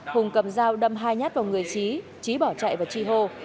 hùng cầm dao đâm hai nhát vào người chí chí bỏ chạy vào chi hô